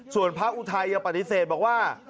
ส่วนพระอุทัยยังปฏิเสธบอกว่า